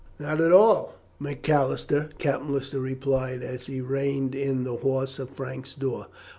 "Not at all, Macalister," Captain Lister replied, as he reined in the horse at Frank's door.